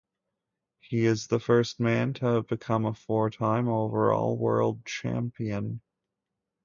He is the first man to have become a four-time Overall World Champion.